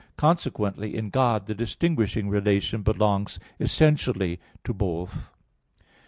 Consequently, in God the distinguishing relation belongs essentially to both.